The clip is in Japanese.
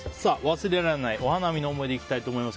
忘れられないお花見の思い出いきたいと思います。